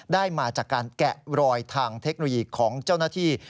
ได้มาจากการแกะรอยทางเทคโนโลยีของเจ้าหน้าที่